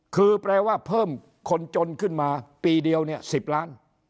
คือแปลว่าเพิ่มคนจนขึ้นมาปีเดียวเนี่ย๑๐ล้าน